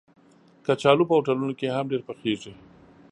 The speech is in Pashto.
کچالو په هوټلونو کې هم ډېر پخېږي